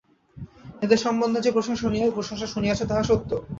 এদেশ সম্বন্ধে যে প্রশংসা শুনিয়াছ, তাহা সত্য।